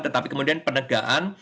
tetapi kemudian penegaan